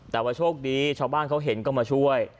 แต่ว่าโชคดีชาวบ้านเขาเห็นก็มาช่วย